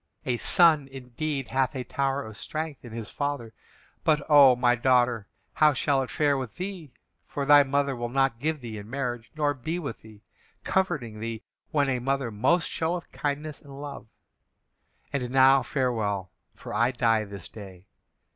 A son, indeed, hath a tower of strength in his father. But, O my daughter, how shall it fare with thee, for thy mother will not give thee in marriage, nor be with thee, comforting thee when a mother most showeth kindness and love. And now farewell, for I die this day.